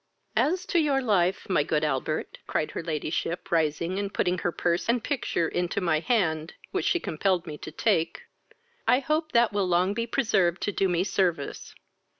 "As to your life, my good Albert, (cried her ladyship, rising, and putting her purse and picture into my hand, which she compelled me to take,) I hope that will long be preserved to do me service.